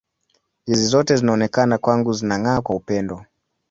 Hizo zote zinaonekana kwangu zinang’aa kwa upendo.